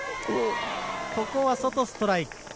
ここは外、ストライク。